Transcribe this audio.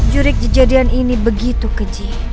jurik kejadian ini begitu keji